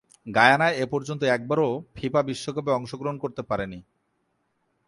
গায়ানা এপর্যন্ত একবারও ফিফা বিশ্বকাপে অংশগ্রহণ করতে পারেনি।